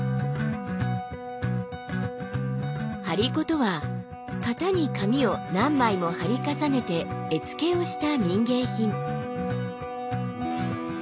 張り子とは型に紙を何枚も貼り重ねて絵付けをした民芸品。